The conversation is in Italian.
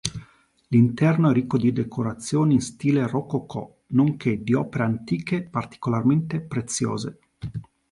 L'interno è ricco di decorazioni in stile rococò nonché di opere antiche particolarmente preziose.